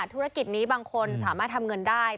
ธุรกิจนี้บางคนสามารถทำเงินได้